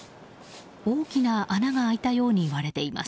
大きな穴が開いたように割れています。